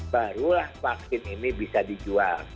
barulah vaksin ini bisa dijual